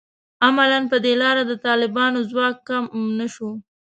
عملاً په دې لاره د طالبانو ځواک کم نه شو